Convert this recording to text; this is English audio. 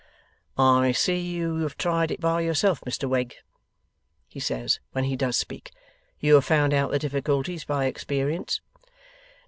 'I see you have tried it by yourself, Mr Wegg,' he says when he does speak. 'You have found out the difficulties by experience.